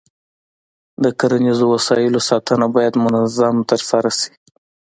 د کرنیزو وسایلو ساتنه باید منظم ترسره شي.